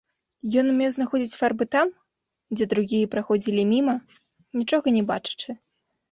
Ён умеў знаходзіць фарбы там, дзе другія праходзілі міма, нічога не бачачы.